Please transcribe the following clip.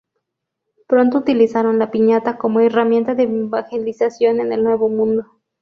Pronto utilizaron la piñata como herramienta de evangelización en el Nuevo Mundo.